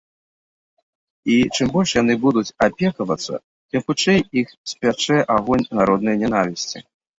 І чым больш яны будуць апекавацца, тым хутчэй іх спячэ агонь народнай нянавісці.